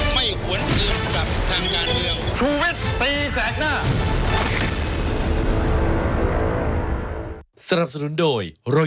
ไม่หวนอื่นกับทางงานเดียว